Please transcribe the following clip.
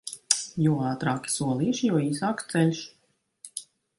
Jo ātrāki solīši, jo īsāks ceļš.